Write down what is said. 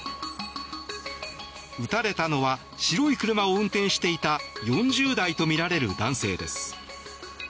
撃たれたのは白い車を運転していた４０代とみられる男性です。